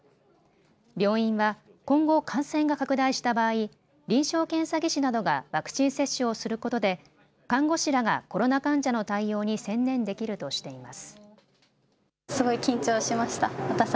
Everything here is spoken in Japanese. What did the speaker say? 病院は今後、感染が拡大した場合、臨床検査技師などがワクチン接種をすることで看護師らがコロナ患者の対応に専念できるとしています。